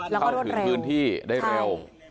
แล้วก็รวดเร็ว